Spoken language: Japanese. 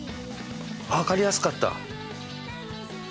「わかりやすかった」。